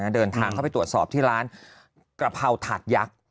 เดินทางเข้าไปตรวจสอบที่ร้านกะเพราถาดยักษ์